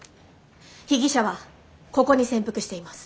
被疑者はここに潜伏しています。